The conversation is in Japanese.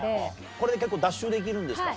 これで結構脱臭できるんですか？